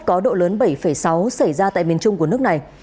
có độ lớn bảy sáu xảy ra tại miền trung của nước này